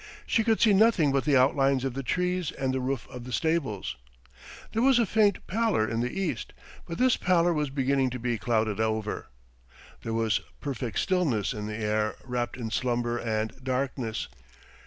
She could see nothing but the outlines of the trees and the roof of the stables. There was a faint pallor in the east, but this pallor was beginning to be clouded over. There was perfect stillness in the air wrapped in slumber and darkness.